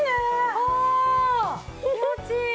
ああ気持ちいい！